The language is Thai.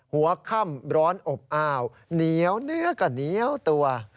หัวค่ำร้อนอบอ้าวเหนียวเนื้อก็เหนียวตัว